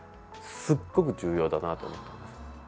すごく重要だなと思ったんです。